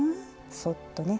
そっとね。